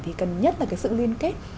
thì cần nhất là cái sự liên kết